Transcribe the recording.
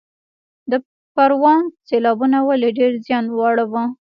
د پروان سیلابونو ولې ډیر زیان واړوه؟